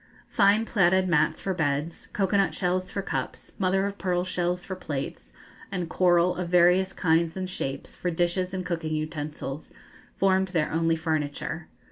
Fine plaited mats for beds, cocoa nut shells for cups, mother of pearl shells for plates, and coral, of various kinds and shapes, for dishes and cooking utensils, formed their only furniture.